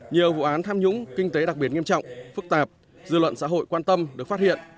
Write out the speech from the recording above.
nhiều vụ án tham nhũng kinh tế đặc biệt nghiêm trọng phức tạp dư luận xã hội quan tâm được phát hiện